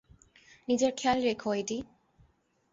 নিজের খেয়াল রেখো, এডি।